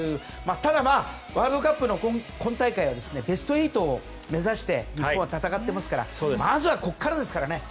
ただ、ワールドカップの今大会はベスト８を目指して日本は戦っていますからまずは、ここからですからね。